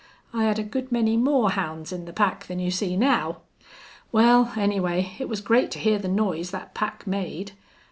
I had a good many more hounds in the pack than you see now. Wal, anyway, it was great to hear the noise thet pack made.